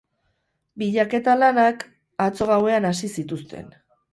Bilaketa lanak atzo gauean hasi zituzten.